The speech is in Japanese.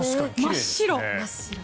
真っ白。